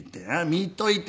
「見といで」